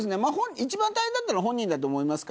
一番大変だったのは本人だと思います。